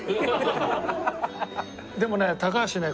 でもね高橋ね